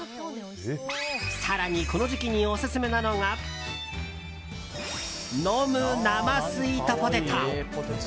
更に、この時期にオススメなのが飲む生スイートポテト！